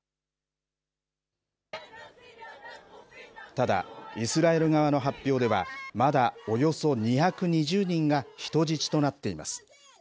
ただ、イスラエル側の発表では、まだおよそ２２０人が人質となっています。